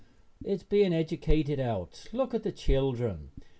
It is being educated out. Look at the children.